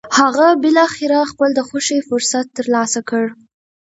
هغه بالاخره خپل د خوښې فرصت تر لاسه کړ.